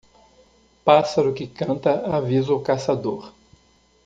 Pássaro que canta avisa o caçador.